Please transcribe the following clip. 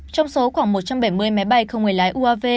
trong số khoảng một trăm bảy mươi máy bay một mươi năm